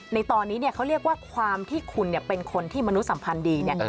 ในตอนนี้เนี่ยเขาเรียกว่าความที่คุณเนี่ยเป็นคนที่มนุษย์สัมพันธ์ดีเนี่ย